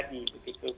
tapi itu tidak terjadi